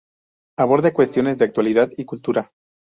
Aborda cuestiones de actualidad y cultura.